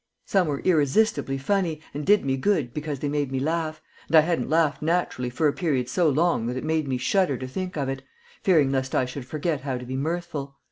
Some were irresistibly funny, and did me good because they made me laugh, and I hadn't laughed naturally for a period so long that it made me shudder to think of it, fearing lest I should forget how to be mirthful.